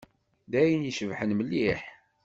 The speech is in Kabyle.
D ayen icebḥen mliḥ.